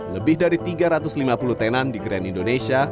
lebih dari tiga ratus lima puluh tenan di grand indonesia